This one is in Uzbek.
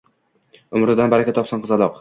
Umridan baraka topsin, qizaloq